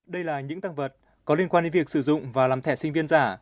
đây là những tăng vật có liên quan đến việc sử dụng và làm thẻ sinh viên giả